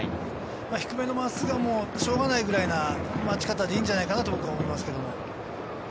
低めの真っすぐはしょうがないぐらいの待ち方でいいんじゃないかなと思います。